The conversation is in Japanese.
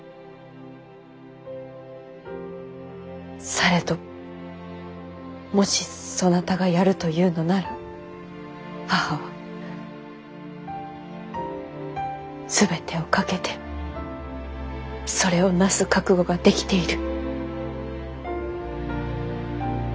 されどもしそなたがやるというのなら母は全てを懸けてそれをなす覚悟ができている。